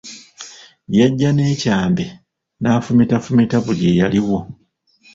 Yajja n'ekyambe n'afumitafumita buli eyaliwo.